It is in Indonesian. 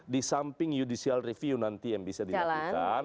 di samping judicial review nanti yang bisa dilakukan